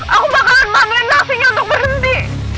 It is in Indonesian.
aku bakalan main nasinya untuk berhenti